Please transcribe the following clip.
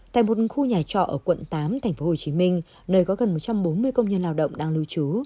tại một khu nhà trọ ở quận tám tp hcm nơi có gần một trăm bốn mươi công nhân lao động đang lưu trú